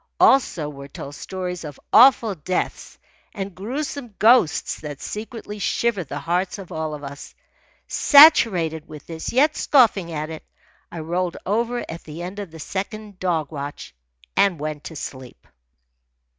Also were told stories of awful deaths and gruesome ghosts that secretly shivered the hearts of all of us. Saturated with this, yet scoffing at it, I rolled over at the end of the second dog watch and went to sleep.